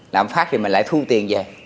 lạng phát thì mình lại thu tiền về